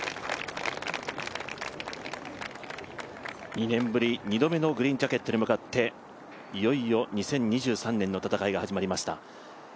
２年ぶり２度目のグリーンジャケットに向かっていよいよ２０２３年の戦いが始まりました。